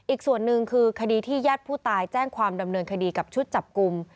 อีกส่วนหนึ่งคือคดีที่ญาติผู้ตายแจ้งความดำเนินคดีกับชุดจับกลุ่ม